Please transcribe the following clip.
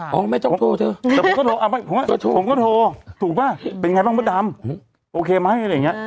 แต่ผมก็โทรถูกเปล่าเป็นไงบ้างมสดำโอเคไหม